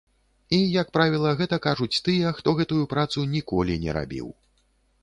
І, як правіла, гэта кажуць тыя, хто гэтую працу ніколі не рабіў.